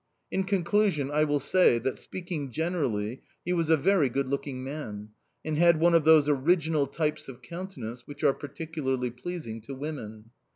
In conclusion, I will say that, speaking generally, he was a very good looking man, and had one of those original types of countenance which are particularly pleasing to women.